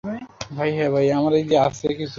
এ ব্যাপারে তিনি কোনো মন্তব্য করবেন না।